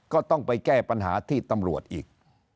ก็ต้องไปแก้ปัญหาที่ตำรวจอีก